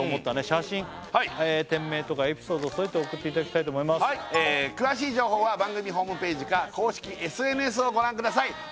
写真店名とかエピソードを添えて送っていただきたいと思います詳しい情報は番組ホームページか公式ＳＮＳをご覧ください